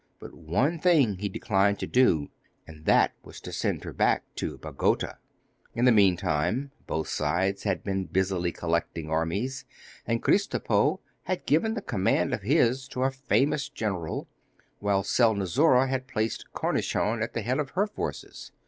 But one thing he declined to do, and that was to send her back to Bagota. In the meantime both sides had been busily collecting armies, and Kristopo had given the command of his to a famous general, while Selnozoura had placed Cornichon at the head of her forces.